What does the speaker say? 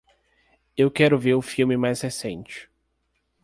Eu quero ver o filme mais recente.